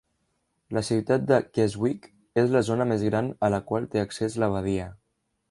La ciutat de Keswick és la zona més gran a la qual té accés la badia.